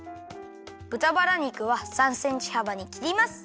ぶたバラ肉は３センチはばにきります。